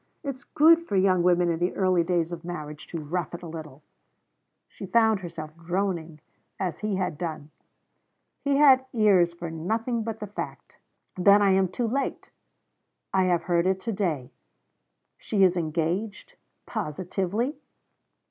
It is good for young women in the early days of marriage to rough it a little.' She found herself droning, as he had done. He had ears for nothing but the fact. 'Then I am too late!' 'I have heard it to day.' 'She is engaged! Positively?'